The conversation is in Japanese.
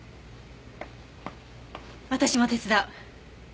私も手伝う。